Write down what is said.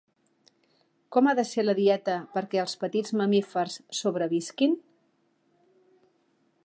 Com ha de ser la dieta perquè els petits mamífers sobrevisquin?